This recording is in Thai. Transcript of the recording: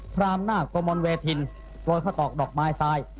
พรามหน้ากวมมนเวทินประทบดอกไมค์ซาย